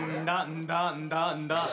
んだんだんだ。